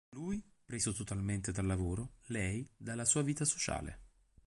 Lui, preso totalmente dal lavoro, lei dalla sua vita sociale.